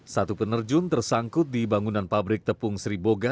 satu penerjun tersangkut di bangunan pabrik tepung sriboga